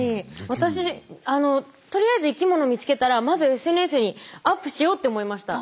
私とりあえず生きもの見つけたらまずＳＮＳにアップしようって思いました。